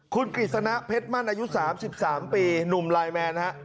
คุณกฤษณะเพชรมั่นอายุ๓๓ปีหนุ่มไลน์แมนฮะ